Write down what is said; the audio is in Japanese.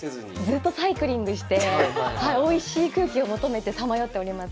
ずっとサイクリングしておいしい空気を求めてさまよっております。